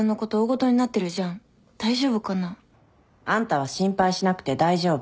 大丈夫かな？あんたは心配しなくて大丈夫。